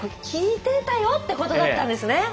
聞いてたよってことだったんですね。